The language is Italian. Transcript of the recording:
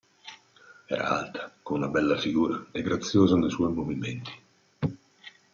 Era alta, con una bella figura e graziosa nei suoi movimenti.